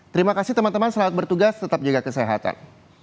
terima kasih teman teman selamat bertugas tetap jaga kesehatan